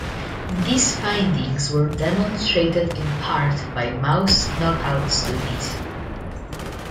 These findings were demonstrated in part by mouse "knockout" studies.